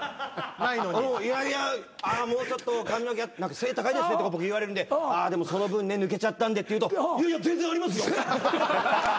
背高いですねとか僕言われるんででもその分ね抜けちゃったんでって言うといやいや全然ありますよ。